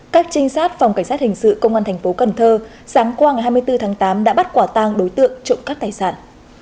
các trinh sát phòng cảnh sát hình sự công an thành phố cần thơ sáng qua ngày hai mươi bốn tháng tám đã bắt quả tang đối tượng trộm cắp tài sản